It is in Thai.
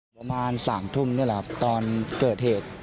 ประมาณ๓ทุ่มตอนเกิดเหตุ